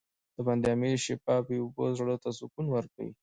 د بند امیر شفافې اوبه زړه ته سکون ورکوي.